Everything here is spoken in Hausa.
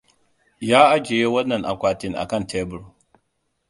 Ya ajiye wannan akwatin akan tebur.